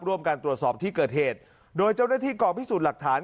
ร่วมการตรวจสอบที่เกิดเหตุโดยเจ้าหน้าที่กองพิสูจน์หลักฐาน